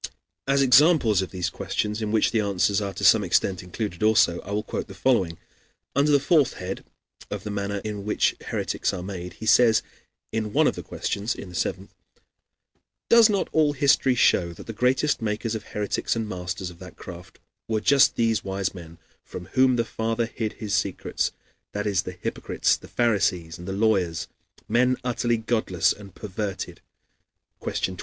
As examples of these questions, in which the answers are to some extent included also, I will quote the following. Under the 4th head, of the manner in which heretics are made, he says, in one of the questions (in the 7th): "Does not all history show that the greatest makers of heretics and masters of that craft were just these wise men, from whom the Father hid his secrets, that is, the hypocrites, the Pharisees, and lawyers, men utterly godless and perverted (Question 20 21)?